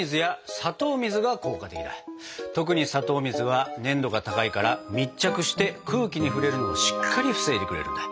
特に砂糖水は粘度が高いから密着して空気に触れるのをしっかり防いでくれるんだ。